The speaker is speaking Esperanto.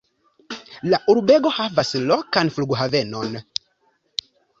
La urbego havas lokan flughavenon.